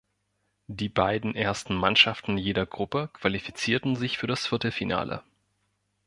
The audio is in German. Die beiden ersten Mannschaften jeder Gruppe qualifizierten sich für das Viertelfinale.